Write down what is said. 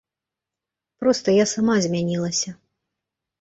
Проста я сама змянілася.